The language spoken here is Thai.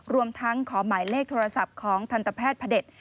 รวมทั้งขอหมายเลขโทรศัพท์ของทันตแพทย์พระเด็จ